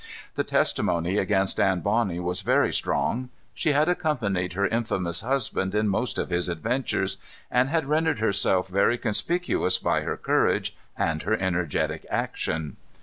The testimony against Anne Bonny was very strong. She had accompanied her infamous husband in most of his adventures, and had rendered herself very conspicuous by her courage and her energetic action.